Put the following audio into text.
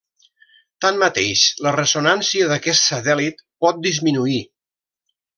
Tanmateix, la ressonància d'aquest satèl·lit pot disminuir.